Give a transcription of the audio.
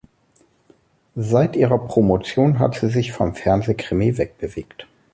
Seit ihrer Promotion hat sie sich vom Fernsehkrimi wegbewegt.